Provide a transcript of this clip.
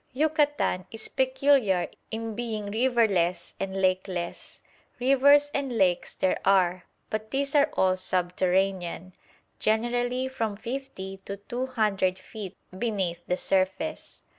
Yucatan is peculiar in being riverless and lakeless. Rivers and lakes there are, but these are all subterranean, generally from fifty to two hundred feet beneath the surface.